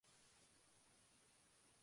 En Metacritic la temp.